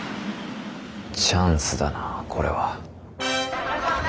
チャンスだなこれは。